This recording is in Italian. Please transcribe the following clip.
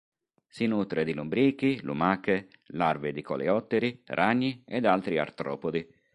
Si nutre di lombrichi, lumache, larve di coleotteri, ragni ed altri artropodi.